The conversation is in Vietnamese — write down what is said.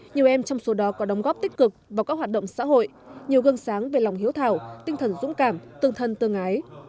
nhiều em trong số đó có đóng góp tích cực vào các hoạt động xã hội nhiều gương sáng về lòng hiếu thảo tinh thần dũng cảm tương thân tương ái